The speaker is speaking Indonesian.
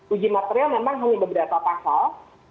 uji material memang hanya beberapa pasal